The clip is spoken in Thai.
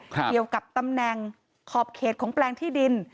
เกี่ยวกับตำแหน่งขอบเขตของแปลงที่ดิน